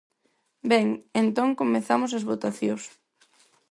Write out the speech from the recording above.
Ben, entón, comezamos as votacións.